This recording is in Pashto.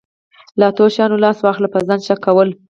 له اتو شیانو لاس واخله په ځان شک کول.